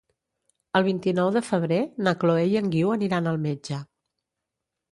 El vint-i-nou de febrer na Chloé i en Guiu aniran al metge.